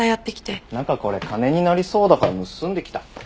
なんかこれ金になりそうだから盗んできた。